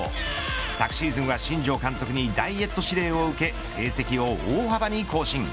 昨シーズンは、新庄監督にダイエット指令を受け成績を大幅に更新。